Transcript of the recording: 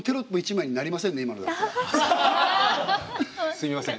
すいません。